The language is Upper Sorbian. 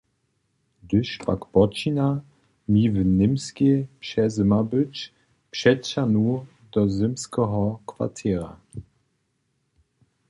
Hdyž pak počina mi w Němskej přezyma być, přećahnu do zymskeho kwartěra.